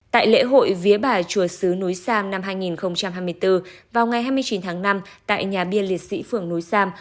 tại lễ hội vía bà chùa sứ núi sam năm hai nghìn hai mươi bốn vào ngày hai mươi chín tháng năm tại nhà bia liệt sĩ phường núi sam